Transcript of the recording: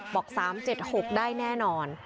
บอก๓๗๖ได้แน่นอน